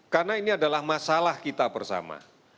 karena ini adalah masalah kita bersama